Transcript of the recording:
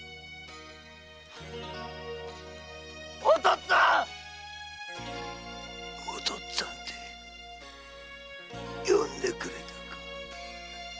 っつぁんお父っつぁんて呼んでくれたか。